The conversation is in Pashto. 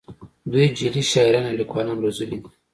دوی جعلي شاعران او لیکوالان روزلي دي